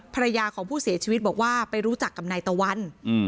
ภรรยาของผู้เสียชีวิตบอกว่าไปรู้จักกับนายตะวัน